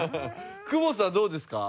久保田さんはどうですか？